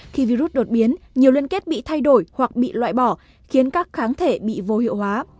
khi virus đột biến nhiều liên kết bị thay đổi hoặc bị loại bỏ khiến các kháng thể bị vô hiệu hóa